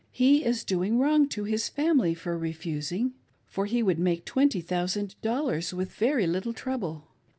He is doing wrong to his family by refusing, for he would make twenty thousand dol lars, with very little trouble.